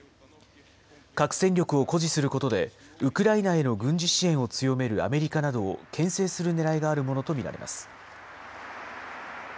核戦力を誇示することで、ウクライナへの軍事支援を強めるアメリカなどをけん制するねらいがあるものと見られます。